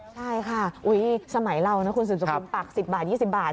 ใช่ค่ะสมัยเราคุณสุดสมควรปัก๑๐๒๐บาท